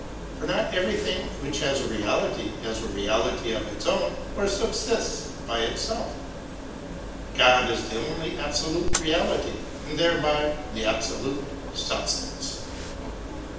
For not everything which has a reality has a reality of its own, or subsists by itself. God is the only absolute reality, and thereby the absolute substance.